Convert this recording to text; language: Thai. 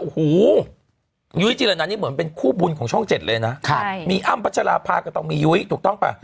โอ้โหยุ้ยจิรณันนี่เหมือนเป็นคู่บุญของช่อง๗เลยนะมีอ้ำพัชราภาก็ต้องมียุ้ยถูกต้องป่ะ